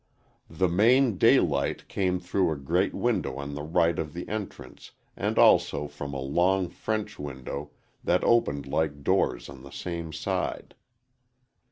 The main daylight came through a great window on the right of the entrance and also from a long French window that opened like doors on the same side.